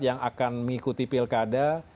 yang akan mengikuti pilkada